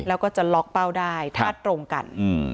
แล้วก็จะล็อกเป้าได้ถ้าตรงกัน